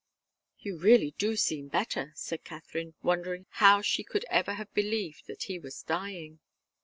"You really do seem better," said Katharine, wondering how she could ever have believed that he was dying.